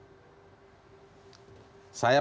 bagaimana menurut ibu